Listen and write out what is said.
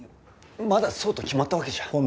まだそうと決まったわけじゃ。